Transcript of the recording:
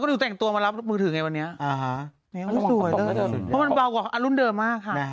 หนูแต่งตัวมารับมือถือไงวันนี้สวยเพราะมันเบากว่ารุ่นเดิมมากค่ะ